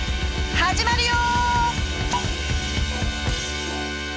始まるよ！